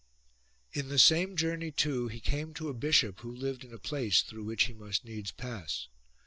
15. In the same journey too he came to a bishop who lived in a place through which he must needs pass.